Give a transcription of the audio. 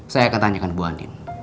saya akan tanyakan bu adin